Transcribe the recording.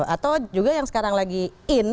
atau juga yang sekarang lagi in